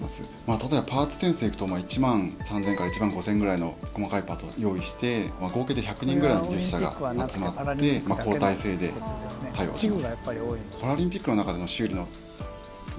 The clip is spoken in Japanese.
例えばパーツ点数でいうと１万３，０００から１万５，０００ぐらいの細かいパーツを用意して合計で１００人ぐらいの技術者が集まって交代制で対応しています。